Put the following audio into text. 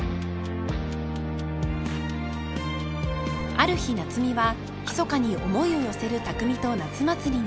［ある日夏海はひそかに思いを寄せる匠と夏祭りに］